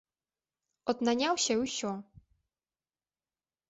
От наняўся і ўсё.